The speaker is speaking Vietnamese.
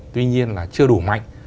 tuy nhiên là chưa đủ mạnh